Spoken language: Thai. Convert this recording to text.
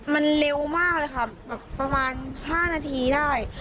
มันเร็วมากเลยค่ะแบบประมาณ๕นาทีได้